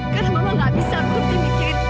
karena mama nggak bisa berhenti mikirin